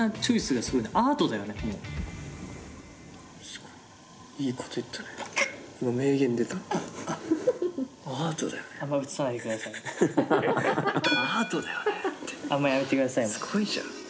すごいじゃん。